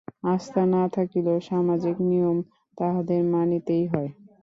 আস্থা না থাকিলেও সামাজিক নিয়ম তাহাদের মানিতেই হয়।